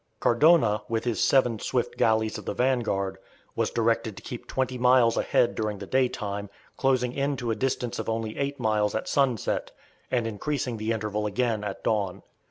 Cardona, with his seven swift galleys of the vanguard, was directed to keep twenty miles ahead during the daytime, closing in to a distance of only eight miles at sunset, and increasing the interval again at dawn.